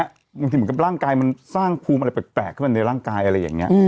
บางทีเหมือนกับร่างกายมันสร้างภูมิอะไรแปลกขึ้นมาในร่างกายอะไรอย่างนี้